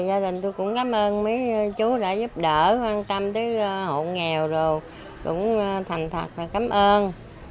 gia đình tôi cũng cảm ơn mấy chú đã giúp đỡ quan tâm tới hộ nghèo rồi cũng thành thật cảm ơn